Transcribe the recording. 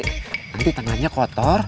nanti tengahnya kotor